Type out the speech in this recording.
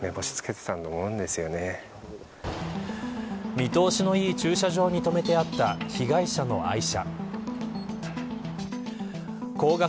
見通しのいい駐車場に止めてあった被害者の愛車。